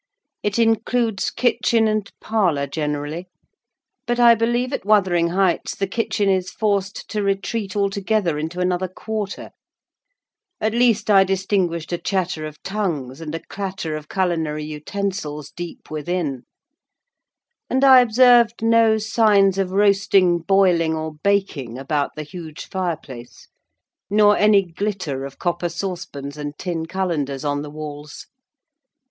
It includes kitchen and parlour, generally; but I believe at Wuthering Heights the kitchen is forced to retreat altogether into another quarter: at least I distinguished a chatter of tongues, and a clatter of culinary utensils, deep within; and I observed no signs of roasting, boiling, or baking, about the huge fireplace; nor any glitter of copper saucepans and tin cullenders on the walls.